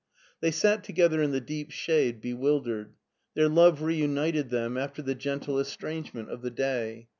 They sat together in the deep shade, bewildered. Their love reunited them after the gentle estrangement of the day.